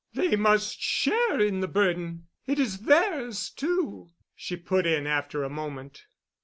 "They must share the burden—it is theirs, too," she put in after a moment.